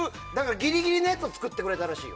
ギリギリのやつを作ってくれたらしいよ。